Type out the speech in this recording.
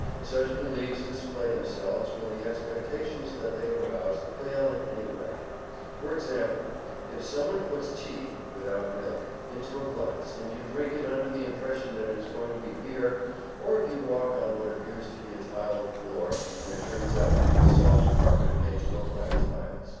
Such beliefs display themselves when the expectations that they arouse fail in any way. For example, if someone puts tea (without milk) into a glass, and you drink it under the impression that it is going to be beer; or if you walk on what appears to be a tiled floor, and it turns out to be a soft carpet made to look like tiles.